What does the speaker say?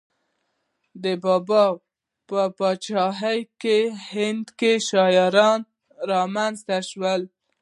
د بابا په پاچاهۍ کې هند کې شاعران را منځته شول.